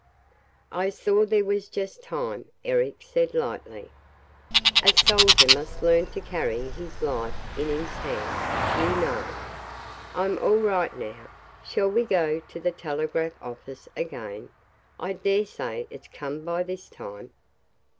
"I saw there was just time," Eric said lightly. "A soldier must learn to carry his life in his hand, you know. I'm all right now. Shall we go to the telegraph office again? I daresay it's come by this time."